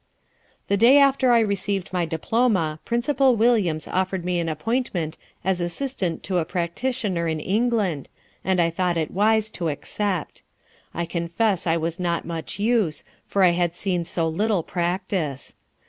"The day after I received my diploma, Principal Williams offered me an appointment as assistant to a practitioner in England, and I thought it wise to accept. I confess I was not much use, for I had seen so little practice.